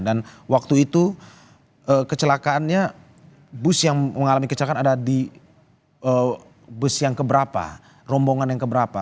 dan waktu itu kecelakaannya bus yang mengalami kecelakaan ada di bus yang keberapa rombongan yang keberapa